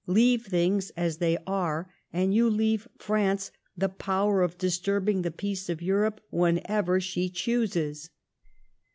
••• Leaye things as they are^ and you leave France the power of disturbing the peace of Europe whenever she chooses.''